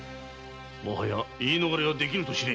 もはや言い逃れはできぬと知れ。